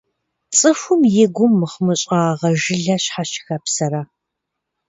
Цӏыхум и гум мыхъумыщӏагъэ жылэ щхьэ щыхэпсэрэ?